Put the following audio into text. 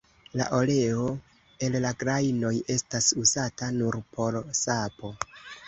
La oleo el la grajnoj estas uzata nur por sapo.